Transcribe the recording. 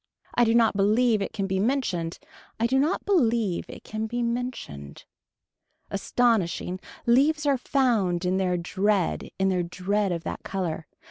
I do not believe it can be mentioned. I do not believe it can be mentioned. Astonishing leaves are found in their dread in their dread of that color.